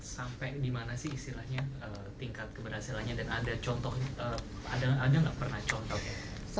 sampai di mana sih istilahnya tingkat keberhasilannya dan ada contohnya ada nggak pernah contohnya